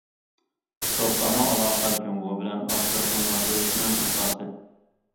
دوستانە ئالاقە جۇڭگو بىلەن ئافرىقا مۇناسىۋىتىنىڭ ئاساسى.